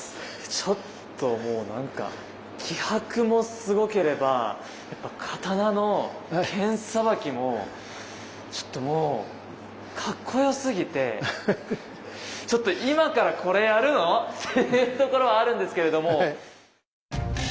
ちょっともうなんか気迫もすごければ刀の剣さばきもちょっともうかっこよすぎてちょっと今からこれやるの？っていうところあるんですけれども。